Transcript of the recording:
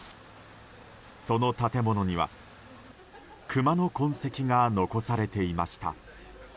その建物にはクマの痕跡が残されていました。